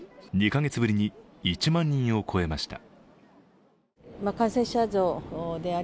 ２か月ぶりに１万人を超えました。